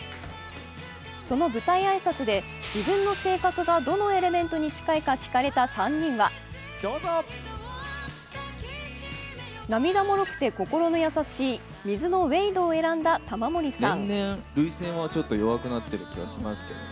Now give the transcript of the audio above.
その舞台挨拶で自分の性格がどのエレメントに近いか聞かれた３人は涙もろくて心の優しい水のウェイドを選んだ玉森さん。